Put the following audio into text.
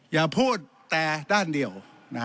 อย่าพูดแต่ด้านเดียว